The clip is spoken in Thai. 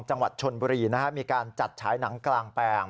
จังหวัดชนบุรีมีการจัดฉายหนังกลางแปลง